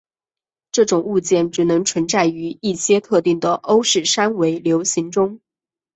这种物件只能存在于一些特定的欧氏三维流形中。